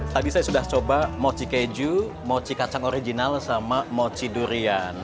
tadi saya sudah coba mochi keju mochi kacang original sama mochi durian